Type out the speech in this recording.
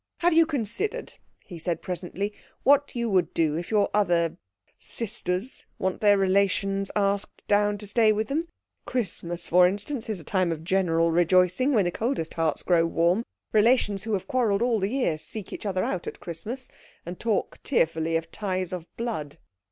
"Have you considered," he said presently, "what you would do if your other sisters want their relations asked down to stay with them? Christmas, for instance, is a time of general rejoicing, when the coldest hearts grow warm. Relations who have quarrelled all the year, seek each other out at Christmas and talk tearfully of ties of blood.